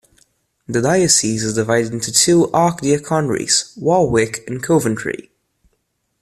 The diocese is divided into two archdeaconries, Warwick and Coventry.